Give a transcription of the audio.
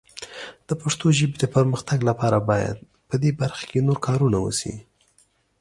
د پښتو ژبې د پرمختګ لپاره باید په دې برخه کې نور کارونه وشي.